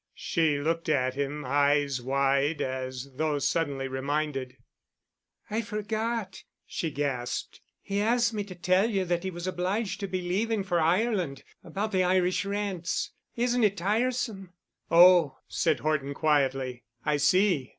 She looked at him, eyes wide as though suddenly reminded. "I forgot," she gasped. "He asked me to tell you that he was obliged to be leaving for Ireland—about the Irish rents. Isn't it tiresome?" "Oh," said Horton quietly. "I see."